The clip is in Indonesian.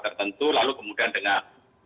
tertentu lalu kemudian dengan